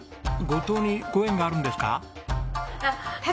五島にご縁があるんですか？